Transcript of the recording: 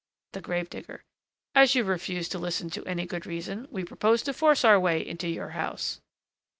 THE GRAVE DIGGER. As you refuse to listen to any good reason, we propose to force our way into your house.